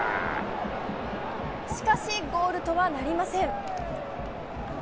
しかし、ゴールとはなりません。